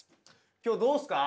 今日どうすっか？